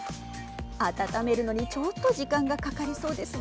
温めるのにちょっと時間がかかりそうですね。